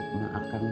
berarti maakang juga